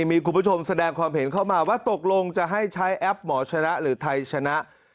มีคุณผู้ชมแสดงความเห็นเข้ามาว่าตกลงจะให้ใช้แอปหมอชนะหรือไทยชนะ